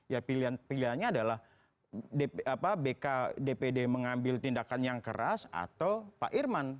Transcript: ya pilihannya adalah bk dpd mengambil tindakan yang keras atau pak irman